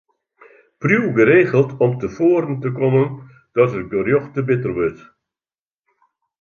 Priuw geregeld om te foaren te kommen dat it gerjocht te bitter wurdt.